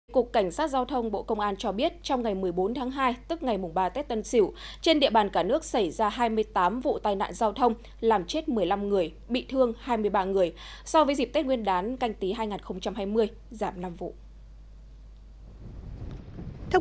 cục cảnh sát giao thông bộ công an cho biết trong ngày một mươi bốn tháng hai tức ngày ba tết tân sỉu trên địa bàn cả nước xảy ra hai mươi tám vụ tai nạn giao thông làm chết một mươi năm người bị thương hai mươi ba người so với dịp tết nguyên đán canh tí hai nghìn hai mươi giảm năm vụ